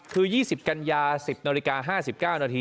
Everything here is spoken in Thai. คือ๒๐กันยา๑๐นาฬิกา๕๙นาที